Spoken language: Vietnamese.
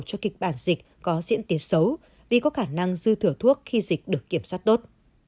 cho kịch bản dịch có diễn tiến xấu vì có khả năng dư thử thuốc khi dịch được kiểm soát tốt